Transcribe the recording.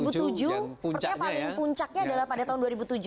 sepertinya paling puncaknya adalah pada tahun dua ribu tujuh belas